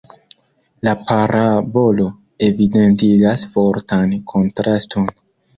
La parabolo evidentigas fortan kontraston.